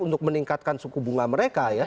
untuk meningkatkan suku bunga mereka ya